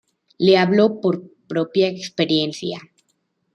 Le hablo por propia experiencia.